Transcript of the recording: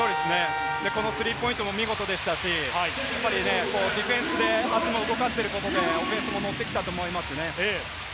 このスリーポイントも見事でしたし、ディフェンスで動かすことでオフェンスもできたと思います。